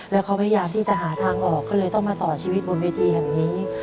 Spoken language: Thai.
แล้วเขาพยายามที่จะหาทางออกก็เลยต้องมาต่อชีวิตบนเวทีแห่งนี้